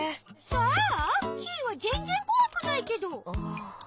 そう？キイはぜんぜんこわくないけど。